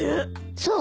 そう。